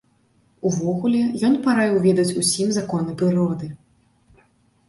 Увогуле, ён параіў ведаць усім законы прыроды.